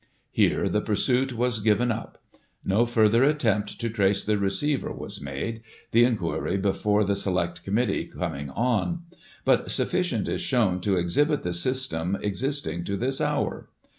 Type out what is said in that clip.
Here the pursuit was given up. No further attempt to trace the receiver was made, the inquiry before the select committee coming on ; but sufficient is shown to exhibit the system existing to this hour.